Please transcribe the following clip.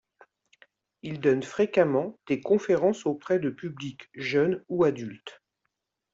Il donne fréquemment des conférences auprès de publics jeunes ou adultes.